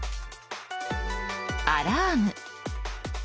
アラーム。